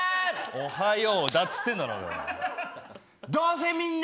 おはようだっつってんだろうが。